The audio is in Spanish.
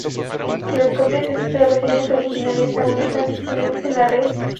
Las copias de estas grabaciones originales aún están disponibles en la red.